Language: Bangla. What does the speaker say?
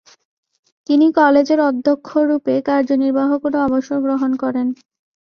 তিনি কলেজের অধ্যক্ষ রুপে কার্যনির্বাহ করে অবসর গ্রহণ করেন।